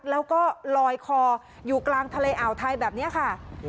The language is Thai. แล้วก็ลอยคออยู่กลางทะเลอ่าวไทยแบบนี้ค่ะ